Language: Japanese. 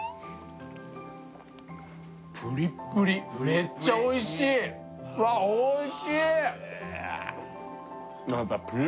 めっちゃおいしいうわっおいしい！